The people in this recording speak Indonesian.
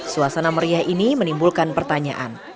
suasana meriah ini menimbulkan pertanyaan